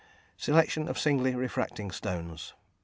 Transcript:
_Selection of Singly refracting stones.